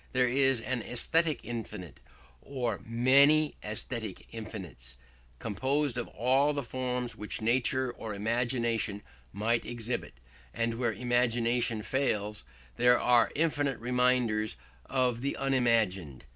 There is an aesthetic infinite, or many aesthetic infinites, composed of all the forms which nature or imagination might exhibit; and where imagination fails, there are infinite remainders of the unimagined.